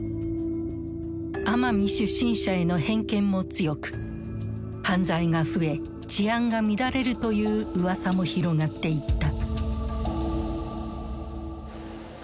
奄美出身者への偏見も強く犯罪が増え治安が乱れるといううわさも広がっていった。